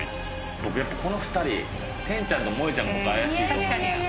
僕やっぱこの２人天ちゃんと萌衣ちゃんが僕怪しいと思います